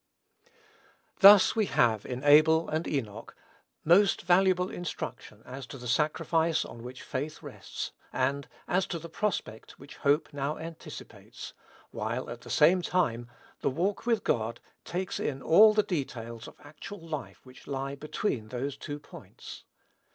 Thus we have, in Abel and Enoch, most valuable instruction as to the sacrifice on which faith rests; and, as to the prospect which hope now anticipates; while, at the same time, "the walk with God" takes in all the details of actual life which lie between those two points.